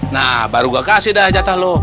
nah baru gue kasih dah jatah lo